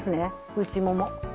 内もも。